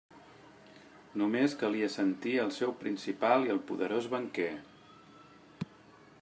Només calia sentir el seu principal i el poderós banquer.